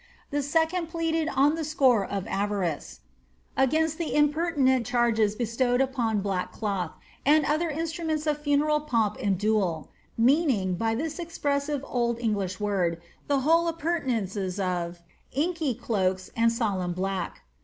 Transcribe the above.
The second pleaded on the score of avarice, ^^ against the im pertinent charges bestowed upon black cloth, and other instruments of funeral pomp and (2oo/e," meaning by this expressive old English word, the whole appurtenances of ^inky cloaks and solemn black."